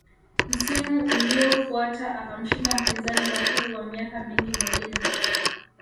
Msimu uliofuata akamshinda mpinzani wake wa miaka mingi Mourinho